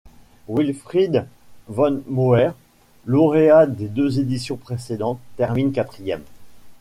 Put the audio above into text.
Wilfried Van Moer, lauréat des deux éditions précédentes, termine quatrième.